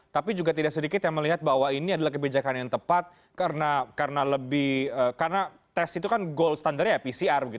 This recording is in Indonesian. tapi juga tidak sedikit yang melihat bahwa ini adalah kebijakan yang tepat karena test itu kan gold standardnya ya pcr